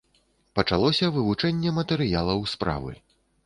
Пачалося вывучэнне матэрыялаў справы.